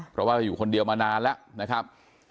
เพราะว่าอยู่คนเดียวมานานแล้วนะครับ